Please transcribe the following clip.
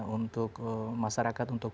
untuk masyarakat untuk